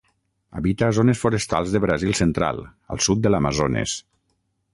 Habita zones forestals de Brasil Central al sud de l'Amazones.